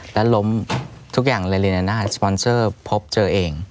แล้วล้มทุกอย่างเลนาน่าสปอนเซอร์พบเจอเอง